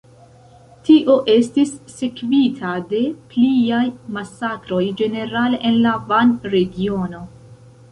Tio estis sekvita de pliaj masakroj ĝenerale en la Van-regiono.